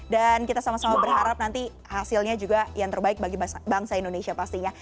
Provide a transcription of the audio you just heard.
dan kita sama sama berharap nanti hasilnya juga yang terbaik bagi bangsa indonesia pastinya